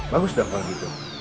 bagus dong kalau gitu